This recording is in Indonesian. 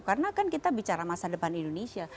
karena kan kita bicara masa depan indonesia